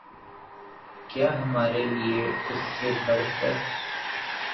کیا ہمارے لیے اس سے بڑھ کر